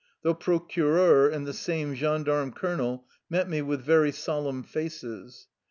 The procureur and the same gendarme colonel met me with very solemn faces.